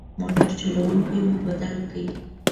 موټر چلوونکی مو بدل کړ.